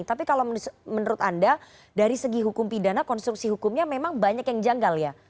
tapi kalau menurut anda dari segi hukum pidana konstruksi hukumnya memang banyak yang janggal ya